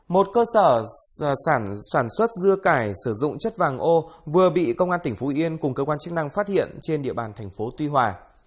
một cơ sở sản xuất dưa cải sử dụng chất vàng ô vừa bị công an tỉnh phú yên cùng cơ quan chức năng phát hiện trên địa bàn thành phố tuy hòa